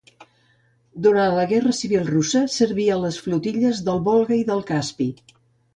Durant la Guerra Civil Russa serví a les flotilles del Volga i del Caspi.